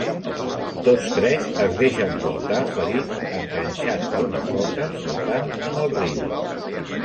Tots tres es deixen portar, ferits, enganxats a una soca flotant en el riu.